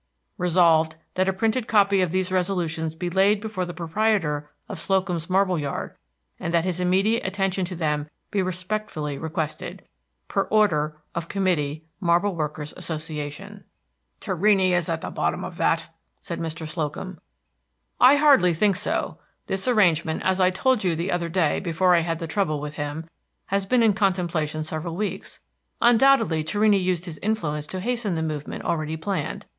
Resolved, That a printed copy of these Resolutions be laid before the Proprietor of Slocum's Marble Yard, and that his immediate attention to them be respectfully requested. Per order of Committee M. W. A. "Torrini is at the bottom of that," said Mr. Slocum. "I hardly think so. This arrangement, as I told you the other day before I had the trouble with him, has been in contemplation several weeks. Undoubtedly Torrini used his influence to hasten the movement already planned.